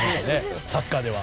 サッカーでは。